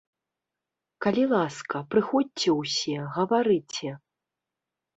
Калі ласка, прыходзьце ўсе, гаварыце.